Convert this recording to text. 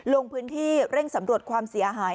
ลงพื้นที่เร่งสำรวจความเสียหาย